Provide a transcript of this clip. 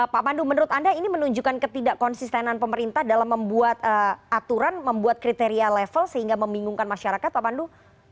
pak pandu menurut anda ini menunjukkan ketidak konsistenan pemerintah dalam membuat aturan membuat kriteria level sehingga membingungkan masyarakat pak pandu